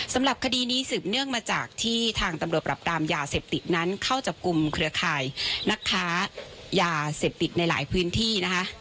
สำหรับคดีนี้สืบเนื่องมาจากที่ทางตำรวจปรับปรามยาเสพติดนั้นเข้าจับกลุ่มเครือข่ายนักค้ายาเสพติดในหลายพื้นที่นะคะ